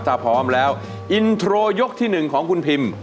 ถ้าพร้อมแล้วอินโทรยกที่๑ของคุณพิม